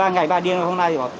ba ngày ba điên hôm nay